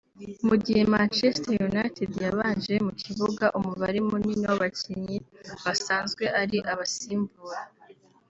Mu gihe Manchester United yabanje mu kibuga umubare munini w’abakinnyi basanzwe ari abasimbura